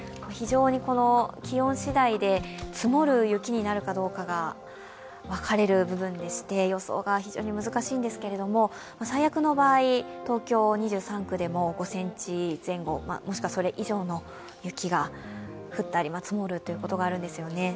非常に気温しだいで積もる雪になるかどうかが分かれる部分でして予想が非常に難しいんですけれども最悪の場合、東京２３区でも５ｃｍ前後、もしくはそれ以上の雪が降ったり積もるということがあるんですよね。